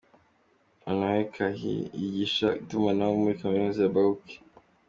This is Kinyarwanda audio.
Honore Kahi yigisha itumanaho muri Kaminuza ya Bouake.